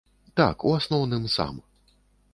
Так, у асноўным сам.